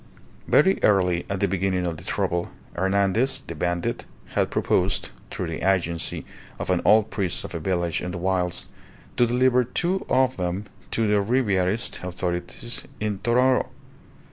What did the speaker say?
Very early, at the beginning of the trouble, Hernandez, the bandit, had proposed (through the agency of an old priest of a village in the wilds) to deliver two of them to the Ribierist authorities in Tonoro.